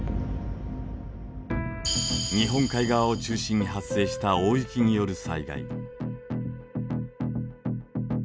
日本海側を中心に発生した大雪による災害。